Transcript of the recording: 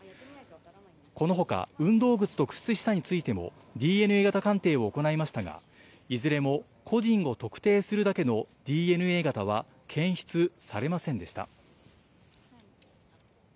このほか、運動靴と靴下についても、ＤＮＡ型鑑定を行いましたが、いずれも個人を特定するだけのＤＮＡ型は検出されませんでした。